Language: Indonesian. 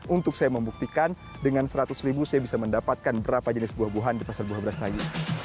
untuk saya membuktikan dengan seratus ribu saya bisa mendapatkan berapa jenis buah buahan di pasar buah beras lagi